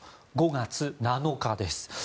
５月７日です。